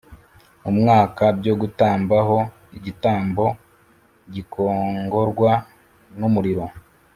umwaka byo gutamba ho igitambo gikongorwa n umuriro